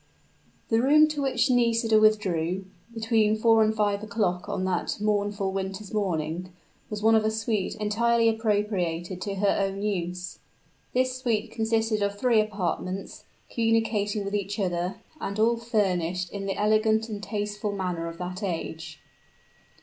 The room to which Nisida withdrew, between four and five o'clock on that mournful winter's morning, was one of a suit entirely appropriated to her own use. This suit consisted of three apartments, communicating with each other, and all furnished in the elegant and tasteful manner of that age.